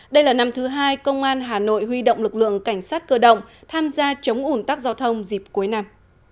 đây là năm thứ hai công an hà nội huy động lực lượng cảnh sát cơ động tham gia chống ủn tắc giao thông dịp cuối năm